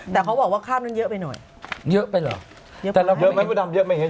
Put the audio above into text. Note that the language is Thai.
แต่เขาบอกว่าค่ำนั้นเยอะไปหน่อยใช่หรอทำไมไม่เห็น